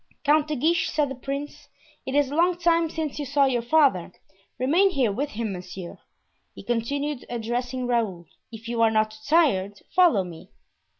"Count de Guiche," said the prince, "it is a long time since you saw your father, remain here with him. Monsieur," he continued, addressing Raoul, "if you are not too tired, follow me."